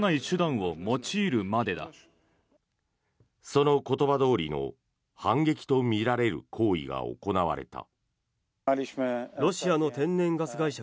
その言葉どおりの反撃とみられる行為が行われた。